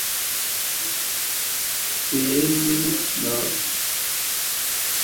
Sehemu za jeshi zilianza kukataa utekelezaji wa amri.